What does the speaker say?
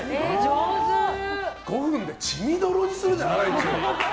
５分で血みどろにするじゃん。